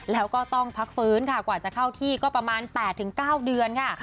แล้วก็ต้องพักฟื้นค่ะกว่าจะเข้าที่ก็ประมาณ๘๙เดือนค่ะ